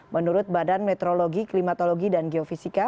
menurut badan meteorologi klimatologi dan geofisika